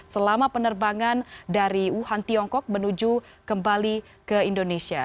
selama penerbangan dari wuhan tiongkok menuju kembali ke indonesia